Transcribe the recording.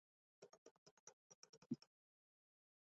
先前这个物种都被当作同属的其他物种。